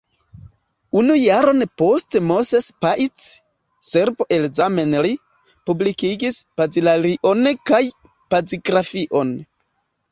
Unu jaron poste Moses Paic, Serbo el Zemlin, publikigis pazilalion kaj pazigrafion.